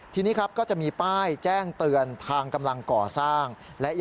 ทีนี้ครับก็จะมีป้ายแจ้งเตือนทางกำลังก่อสร้าง